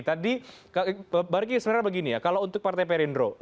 tadi bang riki sebenarnya begini ya kalau untuk partai perindro